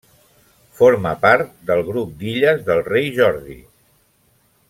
Forma part del grup d'illes del Rei Jordi.